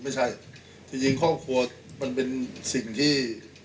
ไม่ใช่จริงครอบครัวมันเป็นสิ่งที่